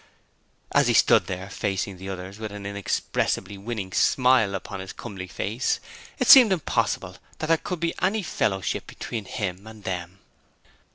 As he stood there facing the others with an inexpressibly winning smile upon his comely face, it seemed impossible that there could be any fellowship between him and them.